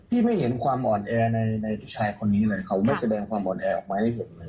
ไม่เห็นความอ่อนแอในผู้ชายคนนี้เลยเขาไม่แสดงความอ่อนแอออกมาให้เห็นเลย